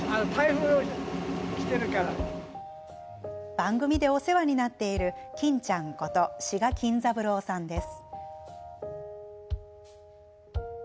番組でお世話になっている金ちゃんこと志賀金三郎さんです。